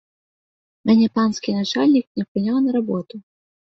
Мяне панскі начальнік не прыняў на работу.